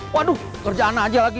waduh kerja ana aja lagi